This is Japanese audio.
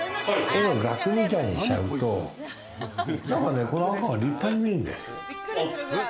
絵の額みたいにしちゃうと、何かこの赤がね、立派に見えるんだよ。